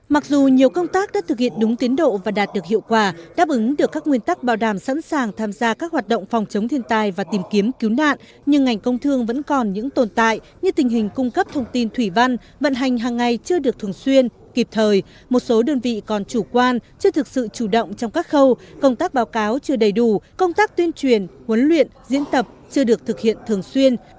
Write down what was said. mặc dù nhiều công tác đã thực hiện đúng tiến độ và đạt được hiệu quả đáp ứng được các nguyên tắc bảo đảm sẵn sàng tham gia các hoạt động phòng chống thiên tài và tìm kiếm cứu nạn nhưng ngành công thương vẫn còn những tồn tại như tình hình cung cấp thông tin thủy văn vận hành hàng ngày chưa được thường xuyên kịp thời một số đơn vị còn chủ quan chưa thực sự chủ động trong các khâu công tác báo cáo chưa đầy đủ công tác tuyên truyền huấn luyện diễn tập chưa được thực hiện thường xuyên